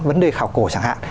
vấn đề khảo cổ chẳng hạn